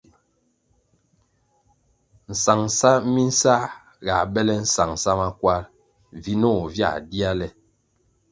Nsangʼsa minsā ga bele nsangʼsa makwar, vinoh via dia le.